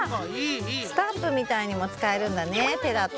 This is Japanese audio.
スタンプみたいにもつかえるんだね手だと。